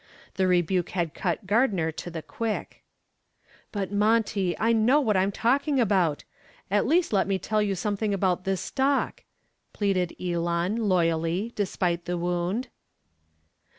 The rebuke had cut Gardner to the quick. "But, Monty, I know what I'm talking about. At least let me tell you something about this stock," pleaded Elon, loyally, despite the wound.